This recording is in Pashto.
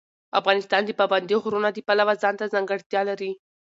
افغانستان د پابندی غرونه د پلوه ځانته ځانګړتیا لري.